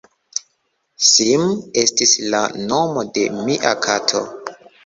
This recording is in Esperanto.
Sim estis la nomo de mia kato.